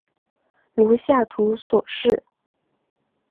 如下图所示。